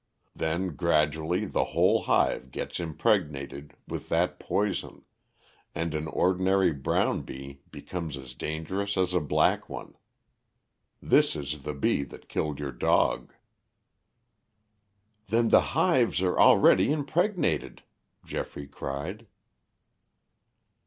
Then gradually the whole hive gets impregnated with that poison, and an ordinary brown bee becomes as dangerous as a black one. This is the bee that killed your dog." "Then the hives are already impregnated," Geoffrey cried.